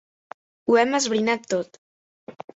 Ho hem esbrinat tot.